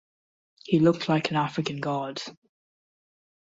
He looked like an African god.